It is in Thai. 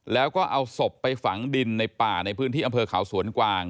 แล้วก็เอาศพไปฝังดินในป่าในพื้นที่อำเภอเขาสวนกวาง